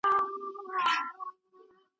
علمي سیمینار په بیړه نه بشپړیږي.